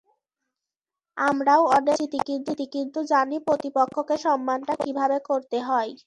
আমরাও অনেক ম্যাচ জিতি, কিন্তু জানি প্রতিপক্ষকে সম্মানটা কীভাবে করতে হয়।